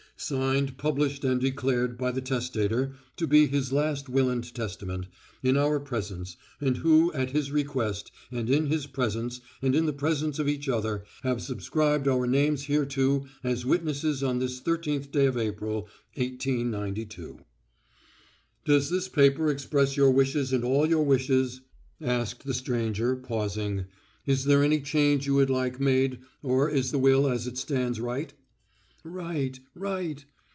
Signed, published, and declared by the testator to be his last will and testament, in our presence, who at his request and in his presence and in the presence of each other have subscribed our names hereto as witnesses on this thirteenth day of April, 1892. "Does this paper express your wishes and all your wishes?" asked the stranger pausing. "Is there any change you would like made or is the will as it stands right?" "Right! right!"